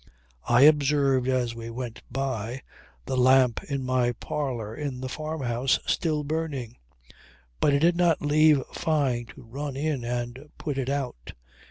I observed, as we went by, the lamp in my parlour in the farmhouse still burning. But I did not leave Fyne to run in and put it out.